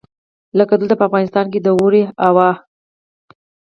لکه دلته په افغانستان کې د اوړي هوا.